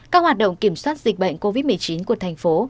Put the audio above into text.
các hoạt động kiểm soát dịch bệnh covid một mươi chín của thành phố